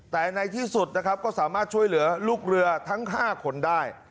แต่ในที่สุดนะครับก็สามารถช่วยเหลือลูกเรือทั้ง๕คนได้